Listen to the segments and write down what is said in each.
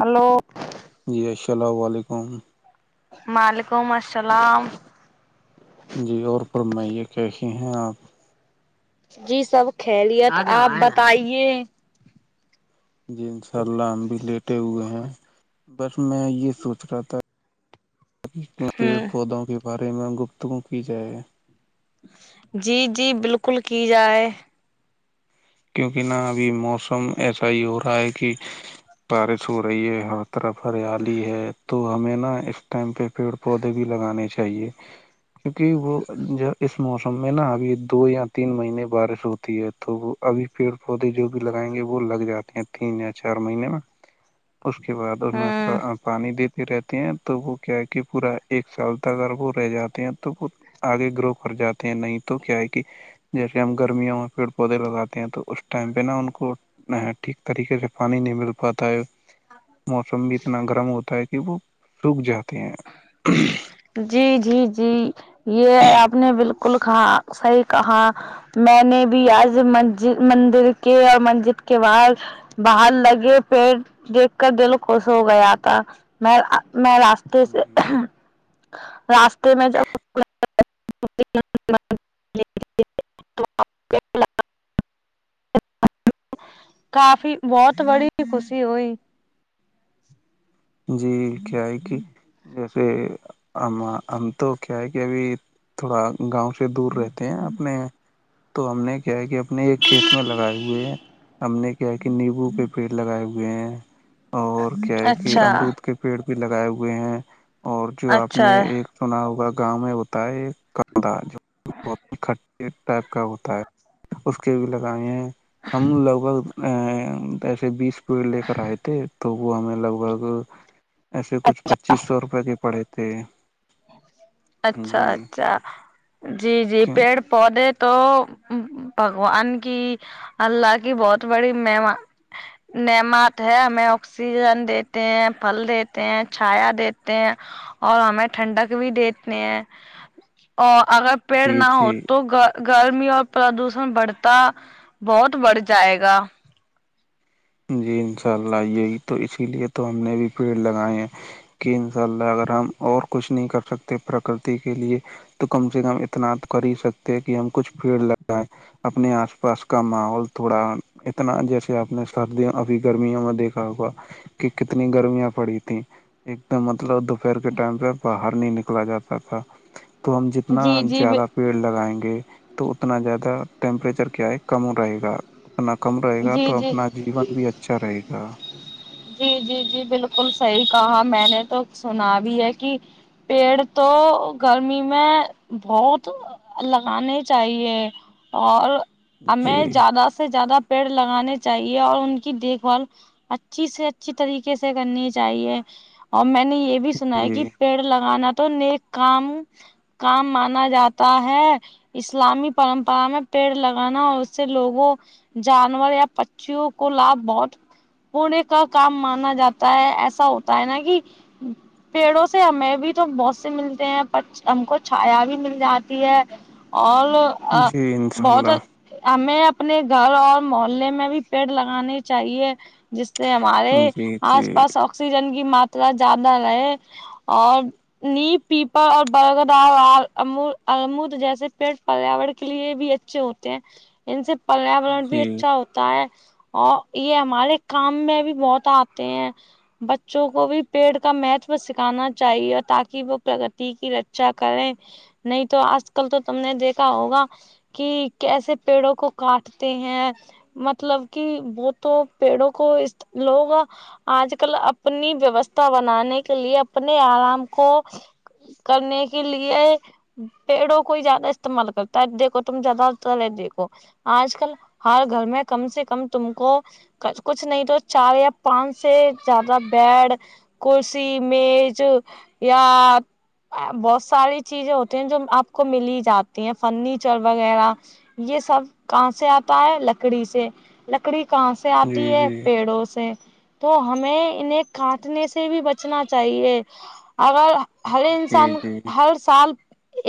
hello جی السلام علیکم وعلیکم السلام جی اور پر میں یہ کہے ہیں آپ جی سب کھیلیا تھا آپ بتائیے جی انشاء اللہ ہم بھی لیٹے ہوئے ہیں بس میں یہ سوچ رہا تھا کیوں پیڑ ہوں پودوں کے بارے میں گپتگو کی جائے جی جی بالکل کی جائے کیونکہ نا ابھی موسم ایسا ہی ہو رہا ہے کہ بارش ہو رہی ہے ہر طرف ہریالی ہے تو ہمیں نہا اس ٹائم پہ پیڑ پودے بھی لگانے چاہیے کیونکہ وہ جو اس موسم میں نا ابھی دو یا تین مہینے بارش ہوتی ہے تو وہ ابھی پیڑ پودے جو بھی لگائیں گے وہ لگ جاتے ہیں تین یا چار مہینے میں اس کے بعد اس میں ہوں پانی دیتے رہتے ہیں تو وہ کیا ہے کہ پورا ایک سال اگر وہ رہ جاتے ہیں تو وہ آگے گرو کر جاتے ہیں نہیں تو کیا ہے کہ جیسے ہم گرمیوں میں پیڑ پودے لگاتے تو اس ٹائم پہ نا ان کو ٹھیک طریقے سے پانی نہیں مل پاتا ہے موسم بھی اتنا گرم ہوتا ہے کہ وہ سوکھ جاتے ہیں جی جی جی یہ آپ نے بالکل کہاں صحیح کہا میں نے بھی آج منج مندر کے اور مسجد کے باہر باہر لگے پیڑ دیکھ کر دل خوش ہو گیا تھا میں میں راس کہس جی راستے میں جب ہاں کافی بہت بڑی خوشی ہوئی جی کیا ہے کہ جیسے ہم تو کیا ہے کہ ابھی تھوڑا گاؤں سے دور رہتے ہیں اپنے تو ہم نے کیا ہے کہ اپنے ایک کھیت میں لگائے ہوئے ہیں ہم نے کیا کہ نیبو کے پیڑ لگائے ہوئے ہیں اور کیا ہے چھا کہ امرود کے پیڑ بھی لگائے ہوئے ہیں اور جو آپ نے اچھا ایک سنا ہوگا گاؤں میں ہوتا ہے ایک کھا بہ ٹائپ کا ہوتا ہے اس کے بھی لگائے ہیں ہم لگ بھگ ا ایسے بیس پیڑ لے کر آئے تھے تو وہ ہمیں لگ بھگ ایسے کچھ پچیس سو روپے کے پڑے تھے اچھا جی اچھا جی جی کیوں پیڑ پودے تو بھگوان کی اللہ کی بہت بڑی ممان نعمات ہے ہمیں آکسیجن دیتے ہیں پھل دیتے ہیں چھایا دیتے ہیں اور ہمیں ٹھنڈک بھی دیتے ہیں اور اگر پیڑ جی نہ ہو جی تو گرمی اور پردوشن بڑھتا بہت بڑھ جائے گا جی انشاء اللہ یہی تو اسی لیے تو ہم نے بھی پیڑ لگائے ہیں کہ انشاء اللہ اگر ہم اور کچھ نہیں کر سکتے پرکرتی کے لیے تو کم سے کم اتنا کر ہی سکتے ہیں کہ ہم کچھ پیڑ لگائیں اپنے آس پاس کا ماحول تھوڑا اتنا جیسے آپ نے سردی ابھی گرمیاں میں دیکھا ہوا کہ کتنی گرمیاں پڑی تھیں ایک دم مطلب پ کے ٹائم پہ باہر نہیں نکلا جاتا تھا تو ہم جتنا جی جی زیادہ پیڑ لگائیں گے تو اتنا زیادہ ٹیمپریچر کیا ہے کم رہے گا اپنا کم رہے گا جی تو جی اپنا جیون بھی اچھا رہے گا جی جی جی بالکل صحیح کہا میں نے تو سنا بھی ہے کہ پیڑ تو گرمی میں بہت لگانے چاہیے اور جی ہمیں زیادہ سے زیادہ پیڑ لگانے چاہیے اور ان کی دیکھ بھال اچھی سے اچھی طریقے سے کرنی چاہیے اور میں نے یہ بھی بھی سنا ہے کہ جی پیڑ لگانا تو نیک کام کام مانا جاتا ہے اسلامی پرمپرا میں پیڑ لگانا اور اس سے لوگوں جانور یا پچیوں کو لابھ بہت ہونے کا کام مانا جاتا ہے ایسا ہوتا ہے نا کہ پیڑوں سے ہمیں بھی تو بہت سے ملتے ہیں پر ہم کو چھایا بھی مل جاتی ہے اور جی انشاء بہت اللہ ہمیں اپنے گھر اور محلے میں بھی پیڑ لگانے چاہیے جس سے ہمارے جی آس جی پاس آکسیجن کی ماترا زیادہ رہے اور نی پیپڑ اور برغدار امود جیسے پیٹ پریاورن کے لیے بھی اچھا ا ہوتے ہیں ان سے پریاورن بھی جی اچھا ہوتا تا ہے اور یہ ہمارے کام میں بھی بہت آتے ہیں بچوں کو بھی پیڑ کا مہتو سکھانا چاہیے تاکہ وہ پرگتی کی رچا کریں نہیں تو آج کل تو تم نے دیکھا ہوگا کہ کیسے پیڑوں کو کاٹتے ہیں مطلب کہ وہ تو پیڑوں کو لوگ آج کل اپنی ویوستھا بنانے کے لیے اپنے آرام کو کرنے کے لیے پیڑوں کو ہی زیادہ استعمال کرتا ہے دیکھو تم زیادہ ہے دیکھو آج کل ہر گھر میں کم سے کم تم کو چ کچھ نہیں تو چار یا پانچ سے زیادہ بیڈ کلسی میز یا بہت ساری چیزیں ہوتی ہیں جو آپ کو ملی جاتی ہیں فرنیچر وغیرہ یہ سب کہاں سے آتا ہے لکڑی سے لکڑی کہاں سے آتی ہے جی پیڑوں سے تو ہمیں انہیں کاٹنے سے بھی بچنا چاہیے اگر ہر جی انسان جی جی ہر سال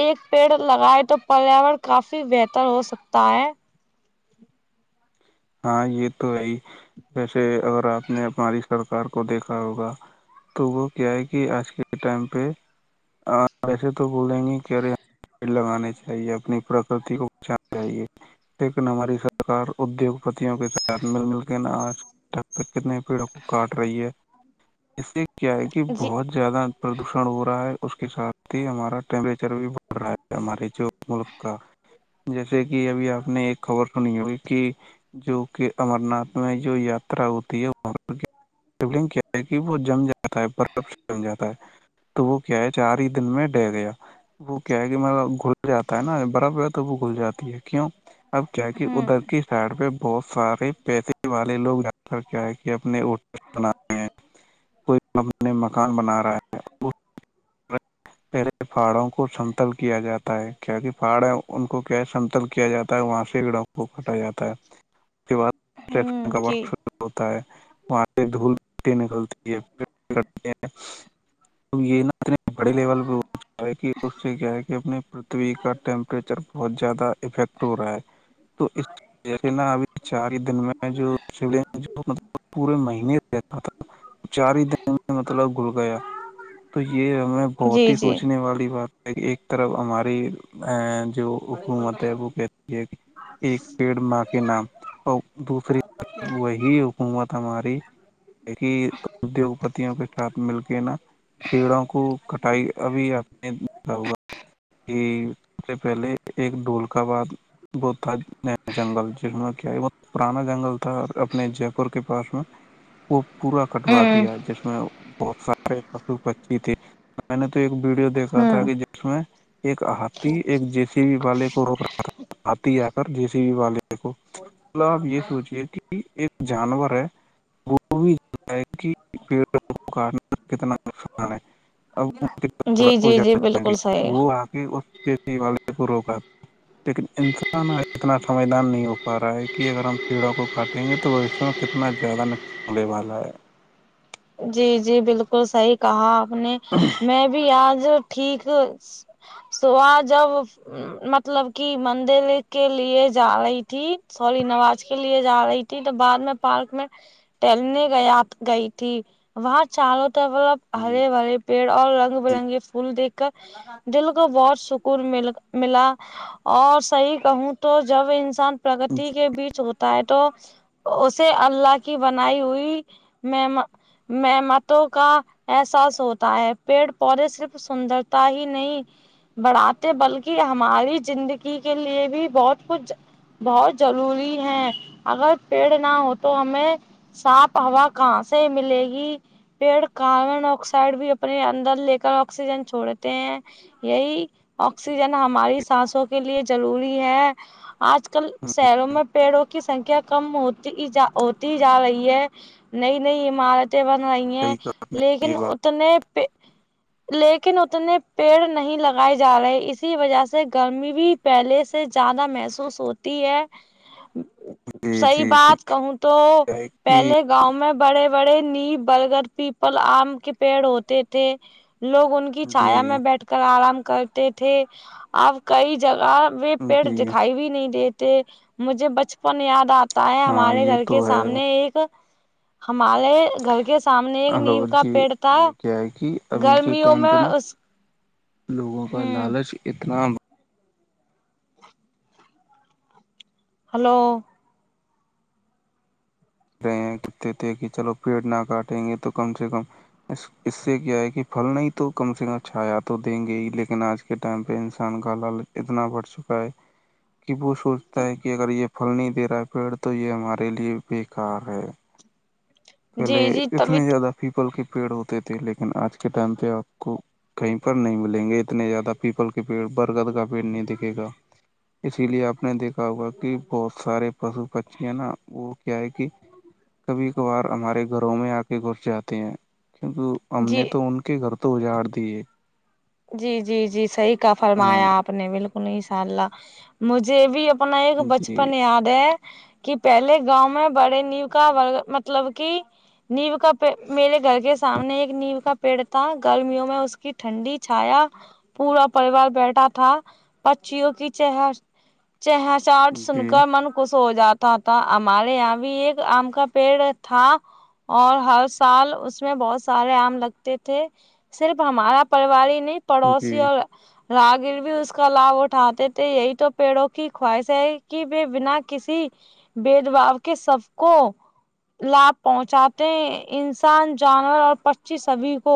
ایک پیڑ لگائے تو پریاورن کافی بہتر ہو سکتا ہے ہاں یہ تو ہے ہی جیسے اگر آپ نے ہماری سرکار کو دیکھا ہوگا تو وہ کیا ہے کہ آج کے ٹائم پہ ویسے تو بولیں گے کہ ارے پیڑ لگانے چاہیے اپنی پرکرتی کو بچانا چاہیے لیکن ہماری سرکار ادیوگپتیوں کے ساتھ مل مل کے ن آج ک کتنے پیڑوں کو کاٹ رہی ہے اس سے کیا ہے کہ جی بہت زیادہ پردوشن ہو رہا ہے اس کا کے ساتھ ہی ہمارا ٹیمپریچر بھی بڑھ رہا ہے ہمارے جو ملک کا جیسے کہ ابھی آپ نے ایک خبر سنی ہوگی کہ جو کہ امر ناتھ میں جو یاترا ہوتی ہے وہ پر کیا شولنگ کیا ہے کہ وہ جم جاتا ہے برف سے جم جاتا ہے تو وہ کیا ہے چار ہی دن میں ڈہ گیا وہ کیا ہے کہ مطب گھل جاتا ہے نا برف ہو تو وہ گھل جاتی ہے کیوں اب کیا کہ ہوں ادھر کی سائڈ پہ بہت سارے پیسے والے لوگ یہ کر کیا ہے کہ اپنے ہوٹل بناتے ہیں کوئی ہمنے مکان بنا رہا ہے ہاں پہلے پہاڑوں کو سمتل کیا جاتا ہے کیا کہ پہاڑ ان کو کیا ہے سمتل کیا جاتا ہے وہاں س گڑوں وہ کاٹا جاتا ہے اس بعدن ہوں کار جی ہوتا ہے وہاں دھول نکلتی تے ہیں یہ نہا ہر گا کہ اس سے کیا ہے کہ اپنی پرتھوی کا ٹمپریچر بہت زیادہ افیکٹ ہو رہا ہے تو اسے نا ابھی چار ہی دن میں جو س مطلب پورے مہینے تھا چار ہی دن میں مطلب گھل گیا تو یہ ہمیں بہت جی ہی جی سوچنے والی بات ہے کہ ایک طرف ہماری جو حک مت ابو کے دیے ایک پیڑ ماں کے نام اور دوسری وہی حکومت ہماری ہے کہ ادیوگپتیوں کے ساتھ مل کے نا پیڑوں کو کٹائی ابھی آپ نے ہوگا کہ سب سے پہلے ایک ڈھولک باد وہ تھا نیا جنگل جس میں کیا ہے بت پرانا جنگل تھا اپنے جے پور کے پاس میں وہ پورا کٹوا ہوں دیا جس میں بہت سارے پو بچی تھی میں نے تو ایک ویڈیو دیکھا تھا ہوں کہ اس میں ایک ہاتھی ایک جی س بی والے کو روک رہکھ تھا آتی آ کر جیسی بھی والے کو ب آپ یہ سوچیے کہ ایک جانور ہے وہ بھی پڑ کاٹنا کتنا نان جی ابڑ جی جی جائیں گے بالکل صحیح وہ آ کے جی والے کو روکا لیکن انسان اتنا سمجھان نہیں ہو پا رہا ہے کہ اگر ہم پیڑوں کو کاٹیں گے تو بوشیہ میں کتنا اتنا زیادہ نہیں پنے والا ہے جی جی بالکل صحیح کہا آپ نے ا میں بھی آج ٹھیک س آ جب مطلب کی مندر کے لیے جا رہی تھی سوری نواز کے لیے جا رہی تھی تھی تو بعد میں پارک میں ٹہلنے گیا گئی تھی وہاں چالو تھا مطلب جی ہرے برے پیڑ اور رنگ جی برنگے پھول دیکھ کر دل کو بہت سکون مل ملا اور صحیح کہوں تو جب انسان جی پرگتی کے بیچ ہوتا ہوتا ہے تو اسے اللہ کی بنائی ہوئی میں میں متوں کا [unintelligible] احساس ہوتا ہے پیڑ پودے صرف سندرتا ہی نہیں بڑھاتے بلکہ ہماری زندگی کے لیے بھی بہت کچھ بہت ضروری ہے اگر پیڑ نہ ہو تو ہمیں صاف ہوا کہاں سے ملے گی پیڑ کاربن ڈ آکسائڈ بھی اپنے اندر لے کر آکسیجن چھوڑتے ہیں یہی آکسیجن ہماری سانسوں کے لیے ضروری ہے آج کل شہروں میں صحیح پیڑوں کی سنکھیا کم ہوتیا ہوتی جا رہی ہے نہیں نہیںئی عمارتیں بن رہی ہیں کہا آپ نے لیکن یہ بات اتنے لیکن اتنے پیڑ نہیں لگائے جا رہے اسی وجہ سے گرمی بھی پہلے سے زیادہ محسوس ہوتی ہے جی صحی جی جی بات کہوں تو پہلے کہ گاؤں میں بڑے بڑے نیب برگر پیپل آم کے پیڑ ہوتے تھے لوگ ان کی چھایا جی میں بیٹھ کر آرام کرتے تھے اب کئی جگہ و پیڑ جی دکھائی بھی نہیں دیتے مجھے بچپن یاد آتا ہے ہاں ہمارے یہ گھر تو کے ہے سامنے ایک ہمارے گھر کے سامنے ایک ہلو نیو کا جی پیڑ تھا یہ کیا ہے کہ ابھی کے گرمیوں ٹائم پہ میں نا اس لوگوں کا ہوں لالچ اتنا ہلو رہے ہیںتے تھے کہ چلو پیڑ نہ کاٹیں گے تو کم سے کم اس اس سے کیا ہے کہ پھل نہیں تو کم سے کم چھایا تو دیں گے ہی لیکن آج کے ٹائم پہ انسان کا لال اتنا بڑھ چکا ہے [unintelligible] کہ وہ سوچتا ہے کہ اگر یہ پھل نہیں دے رہا ہے پیڑ تو یہ ہمارے لیے بیکار ہے جی پہلے جی اتنے طبیعت زیادہ پیپل کے پیڑ ہوتے تھے لیکن آج کے ٹائم پہ آپ کو کہیں پر نہیں ملیں گے اتنے زیادہ پیپل کے پیڑ برگد کا پیڑ نہیں دکھے گا اسی لیے آپ نے دیکھ ہوگا کہ بہت سارے پشو پچیا نہ وہ کیا ہے کہ کبھی کبھار ہمارے گھروں میں آ کے گھس جاتے ہیں کیونکہ ہم جی نے تو ان کے گھر تو اجاڑ دی ہے جی جی جی صحیح کا ہاں فرمایا آپ نے بالکل ان شاء اللہ مجھے بھی اپنا ایک جی بچپن یاد ہے کہ پہلے گاؤں میں بڑے نیو کا مطلب کہ نیو کا میرے گھر کے سامنے ایک نیو کا پیڑ تھا گرمیوں میں اس کی ٹھنڈی چھایا پورا پریوار بیٹھا تھا پچیوں کی چہر چچٹ سن جی کر من [unintelligible] کو سو جاتا تھا ہمارے یہاں بھی ایک آم کا پیڑ تھا اور ہر سال اس میں بہت سارے آم لگتے تھے صرف ہمارا پریوار ہی نہیں پڑوسی جی راگیر بھی اس کا لابھ اٹھاتے تھے یہی تو پیڑوں کی خواہش ہے ہی کہ بنا کسی بد باؤ کے سب کو لابھ پہنچاتے ہیں انسان جانور اور پچی سبھی کو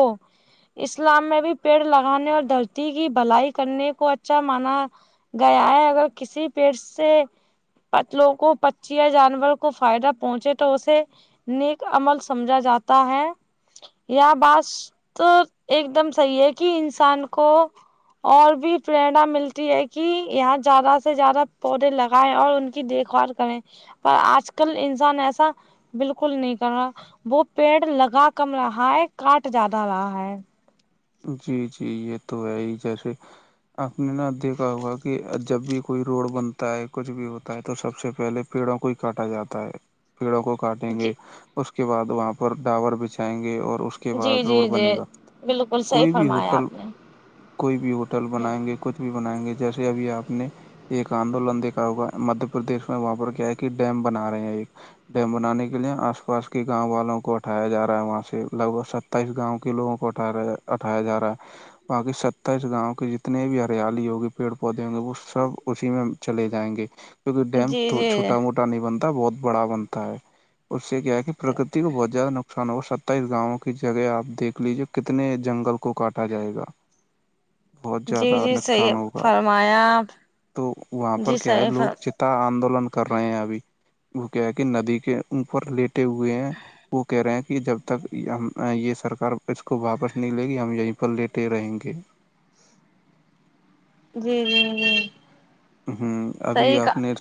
اسلام میں بھی پیڑ لگانے اور دھرتی کی بھلائی کرنے کو اچھا مانا گیا ہے اگر کسی پیڑ سے پت لوگ کو پچیا جانوروں کو فائدہ پہنچے تو اسے نیک عمل سمجھا جاتا ہے بات تو ایک دم صحیح ہے کہ انسان کو اور بھی پرریرنا ملتی ہے کہ یہاں زیادہ سے زیادہ پودے لگائے اور ان کی دیکھ بھال کریں پر آج کل انسان ایسا بالکل نہیں کر رہا وہ پیڑ لگا کم رہا ہے کاٹ زیادہ رہا ہے جی جی یہ تو ہے ہی جیسے آپ نے نا دیکھا ہوا کہ جب بھی کوئی روڈ بنتا ہے کچھ بھی ہوتا ہے تو سب سے پہلے پیڑوں کو ہی کاٹا جاتا ہے پیڑوں کو کاٹیں گے جی اس کے بعد وہاں پر ڈاور بچھائیں گے اور اس کے اس کے بعد جی ضرور جی جی بنے گا بالکل صحیح کوئی بھی فرمایا ہوٹل آپ نے کوئی بھی ہوٹل بنائیں گے کچھ بھی بنائیں گے جیسے ابھی اپ نے ایک آندولن دیکھا ہوگا مدھیہ پردیش میں وہاں پر کیا ہے کہ ڈیم بنا رہے ہیں ایک ڈیم بنانے کے لیے آس پاس کے گاؤں والوں کو ہٹایا جا رہا ہے وہاں سے لگ بھگ س ستائیس گاؤں کے لوگوں کو اٹھا اٹایا جا رہا ہے [unintelligible] باقی ستر اس گاؤں کے جتنے بھی ہریالی ہوگی پیڑ پودے ہوں گے وہ سب اسی میں چلے جائیں گے کیونکہ ڈیم جی جی چھوٹا موٹا نہیں بنتا بہت بڑا بنتا ہے اس سے کیا ہے کہ پرکتی کو بہت زیادہ نقصان ہو ستائیس گاؤں کی جگہ آپ دیکھ لیجیے کتنے جنگل کو کاٹا جائے گا بہت جی زیادہ جی صحیح نقصان ہوگا فرمایا تو وہاں پر جی کیا ہے صحیح فر لوگ آندولن کر رہے ہیں ابھی وہ کیا ہے کہ ندی کے اوپر لیٹے ہوئے ہیں وہ کہہ رہے ہیں کہ جب تک یہ سرکار اس کو واپس نہیںلے گی ہم یہیں پر لیٹے رہیں گے [unintelligible] ابھی صحیح اپ کا نے